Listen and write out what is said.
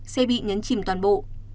sẽ bị nhấn chìm toàn bộ